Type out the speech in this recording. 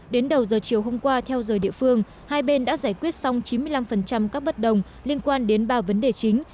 đến đầu giờ chiều hôm qua theo giờ địa phương hai bên đã giải quyết xong chín mươi năm các bất đồng liên quan đến ba vấn đề chính